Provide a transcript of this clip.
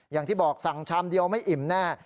อย่างที่บอกสั่งชามเดียวไม่อิ่มแน่